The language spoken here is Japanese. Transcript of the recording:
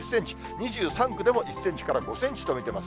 ２３区でも１センチから５センチと見ています。